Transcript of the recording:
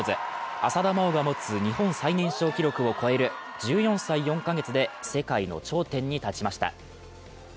浅田真央が持つ日本最年少記録を超える、１４歳４か月で世界の頂点に立ちました。